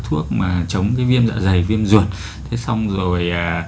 thuốc mà chống cái viêm dạ dày viêm ruột thế xong rồi